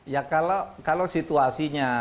ya kalau situasinya